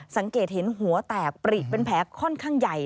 สังเกตเห็นหัวแตกปลีกเป็นแผลค่อนข้างใหญ่